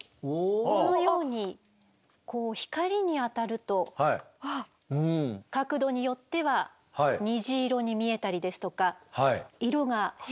このようにこう光に当たると角度によっては虹色に見えたりですとか色が変化して。